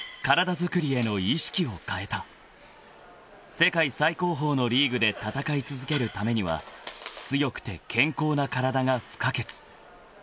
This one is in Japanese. ［世界最高峰のリーグで戦い続けるためには強くて健康な体が不可欠］